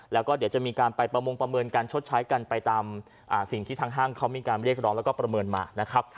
แล้วก็เดี๋ยวจะมีการไปประมงประเมินการชดใช้กันไปตามสิ่งที่ทางห้างเขามีการเรียกร้องแล้วก็ประเมินมานะครับ